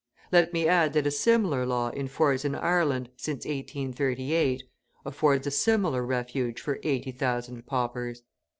Let me add that a similar law in force in Ireland since 1838, affords a similar refuge for eighty thousand paupers.